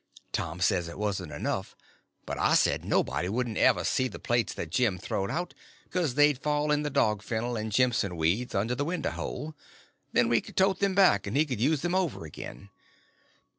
Tom says it wasn't enough; but I said nobody wouldn't ever see the plates that Jim throwed out, because they'd fall in the dog fennel and jimpson weeds under the window hole—then we could tote them back and he could use them over again.